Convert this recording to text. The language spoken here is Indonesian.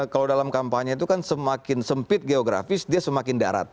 kalau dalam kampanye itu kan semakin sempit geografis dia semakin darat